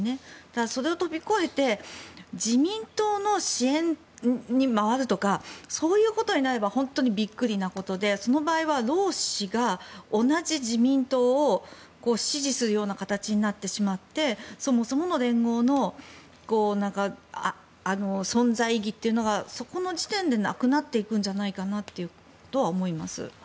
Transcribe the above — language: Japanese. だから、それを飛び越えて自民党の支援に回るとかそういうことになれば本当にビックリなことでその場合は、労使が同じ自民党を支持するような形になってしまってそもそもの連合の存在意義がそこの時点でなくなっていくんじゃないかとは思います。